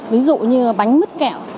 ví dụ như bánh mứt kẹo